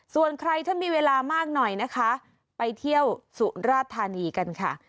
ส่วนใครถ้ามีเวลามากหน่อยนะคะไปเที่ยวสุราธานีกันค่ะ